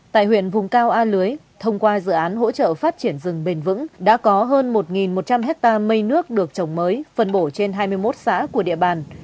tại huyện vùng cao a lưới thông qua dự án hỗ trợ phát triển rừng bền vững đã có hơn một một trăm linh hectare mây nước được trồng mới phân bổ trên hai mươi một xã của địa bàn